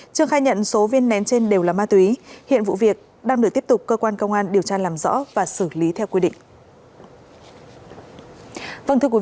trương khai nhận số viên nén trên đều là ma túy hiện vụ việc đang được tiếp tục cơ quan công an điều tra làm rõ và xử lý theo quy định